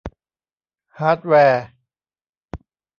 ฮาร์ดแวร์